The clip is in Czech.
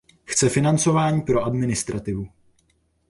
Chce financování pro administrativu!